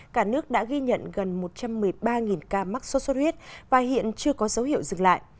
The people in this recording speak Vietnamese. cả nước đã ghi nhận gần một trăm một mươi ba ca mắc sốt xuất huyết và hiện chưa có dấu hiệu dừng lại